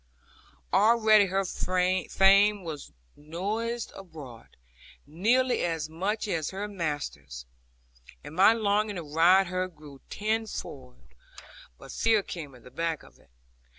Already her fame was noised abroad, nearly as much as her master's; and my longing to ride her grew tenfold, but fear came at the back of it.